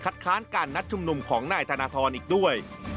ค้านการนัดชุมนุมของนายธนทรอีกด้วย